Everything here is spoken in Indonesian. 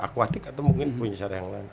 akuatik atau mungkin punya cara yang lain